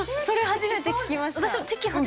初めて聞きました。